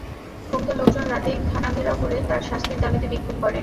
ক্ষুব্ধ লোকজন রাতেই থানা ঘেরাও করে তাঁর শাস্তির দাবিতে বিক্ষোভ করে।